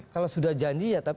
kalau sudah janji ya